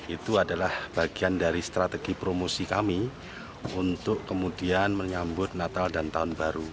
itu adalah bagian dari strategi promosi kami untuk kemudian menyambut natal dan tahun baru